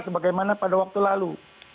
sebagaimana pada waktu lalu